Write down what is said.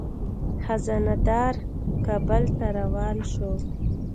خزانه دار کابل ته روان شو.